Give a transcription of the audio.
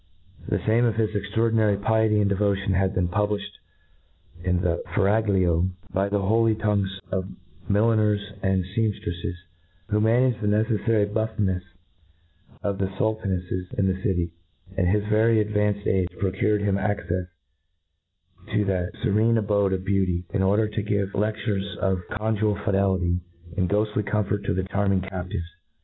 The fame of his extradrdinary piety and devotion had been publiflied in the fcraglio by die holy toftgue^ of milliner? and fcamftreffes, who managed the neceffiiry btifiiiefs of the fultaneffes in the city ; and his very advanced age procured him accefe to that fcfene abode of beauty, in order to give leftures of conjugal fidelity, and ghoftly comfort to the charming captives.